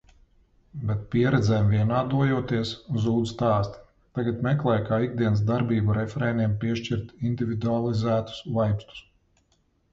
Bet, pieredzēm vienādojoties, zūd stāsti. Tagad meklēju, kā ikdienas darbību refrēniem piešķirt individualizētus vaibstus.